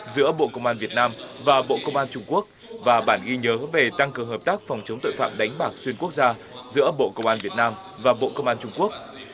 giữa bộ công an việt nam và bộ công an trung quốc và bản ghi nhớ về tăng cường hợp tác phòng chống tội phạm đánh bạc xuyên quốc gia giữa bộ công an việt nam và bộ công an trung quốc